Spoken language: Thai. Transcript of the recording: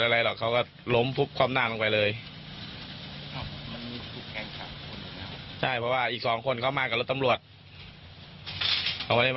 เราทำยังไงครับผม